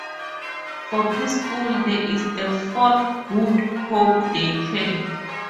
For pre-school, there is the Fort Good Hope Daycare.